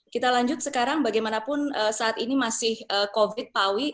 kita lanjut sekarang bagaimanapun saat ini masih covid pak awi